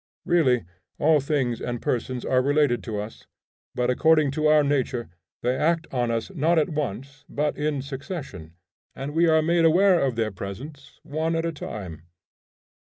Really, all things and persons are related to us, but according to our nature they act on us not at once but in succession, and we are made aware of their presence one at a time.